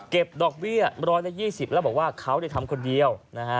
เก็บดอกเวียบร้อยถึง๒๐แล้วบอกว่าเขาได้ทำคนเดียว